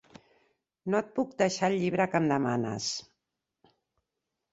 No et puc deixar el llibre que em demanes.